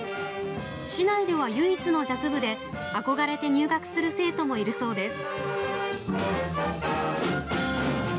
市内では唯一のジャズ部で憧れて入学する生徒もいるそうです。